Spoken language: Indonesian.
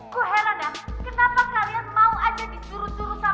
gue heran dah kenapa kalian mau aja dicurut curut sama reva